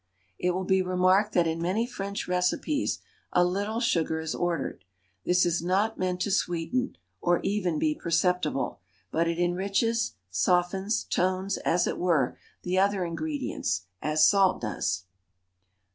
It will be remarked that in many French recipes a little sugar is ordered. This is not meant to sweeten, or even be perceptible; but it enriches, softens, tones, as it were, the other ingredients as salt does.